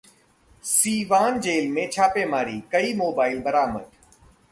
Siwan jail में छापेमारी, कई मोबाइल बरामद